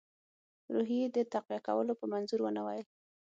روحیې د تقویه کولو په منظور ونه ویل.